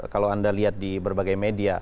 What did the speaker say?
kalau anda lihat di berbagai media